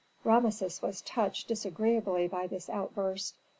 '" Rameses was touched disagreeably by this outburst.